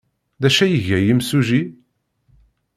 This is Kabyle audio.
D acu ay iga yimsujji?